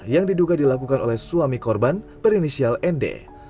yang diduga dilakukan oleh suami korban berinisial nd